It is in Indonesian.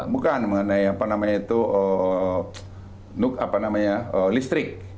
bukan mengenai apa namanya itu apa namanya listrik